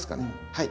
はい。